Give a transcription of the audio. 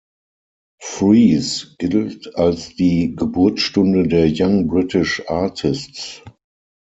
Freeze gilt als die Geburtsstunde der Young British Artists.